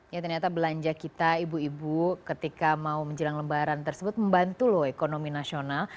ya ternyata belanja kita ibu ibu ketika mau menjelang lebaran tersebut membantu loh ekonomi nasional